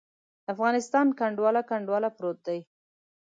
افغانستان کنډواله، کنډواله پروت دی.